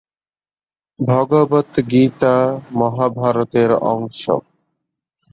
ভগবদ্গীতা মহাভারত-এর অংশ।